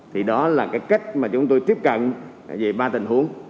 thì đó là cái cách mà chúng tôi tiếp cận về ba tình huống